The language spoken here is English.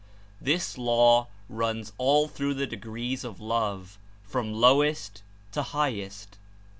This law runs all through the degrees of love, from lowest to highest.